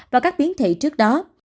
và các biến thể trước đó